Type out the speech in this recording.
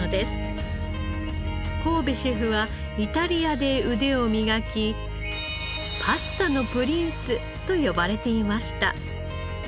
神戸シェフはイタリアで腕を磨き「パスタのプリンス」と呼ばれていました。